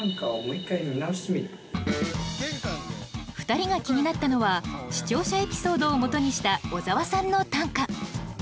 ２人が気になったのは視聴者エピソードをもとにした小沢さんの短歌。